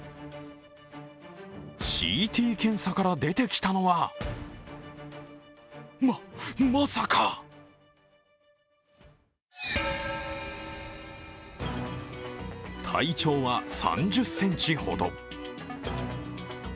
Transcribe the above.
ＣＴ検査から出てきたのはま、まさか体長は３０ｃｍほど。